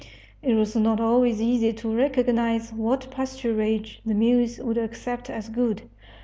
It was not always easy to recognize what pasturage the mules would accept as good.